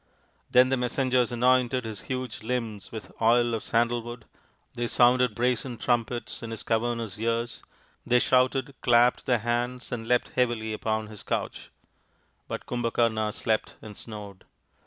Then the messengers anointed his huge limbs with oil of sandal wood. They sounded brazen trumpets in his cavernous ears. They shouted, clapped their hands, and leapt heavily upon his couch. But Kumbhakarna slept and snored.